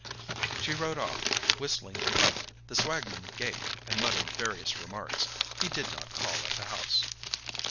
She rode off, whistling to Puck. The swagman gaped and muttered various remarks. He did not call at the house.